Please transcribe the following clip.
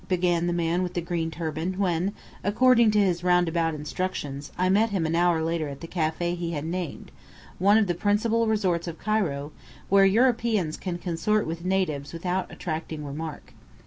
began the man with the green turban when, according to his roundabout instructions, I met him an hour later at the café he had named, one of the principal resorts of Cairo, where Europeans can consort with natives without attracting remark.